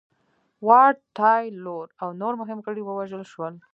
واټ تایلور او نور مهم غړي ووژل شول.